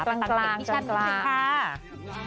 กลางกลางกลางกลางกลาง